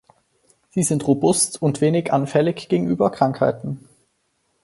Sie sind robust und wenig anfällig gegenüber Krankheiten.